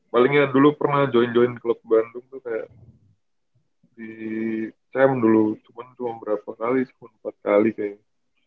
palingnya dulu pernah join join klub bandung tuh kayak di cham dulu cuma berapa kali sepuluh empat kali kayaknya